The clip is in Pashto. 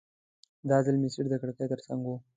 دا ځل مې سیټ د کړکۍ ترڅنګ و.